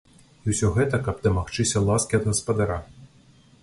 І ўсё гэта, каб дамагчыся ласкі ад гаспадара.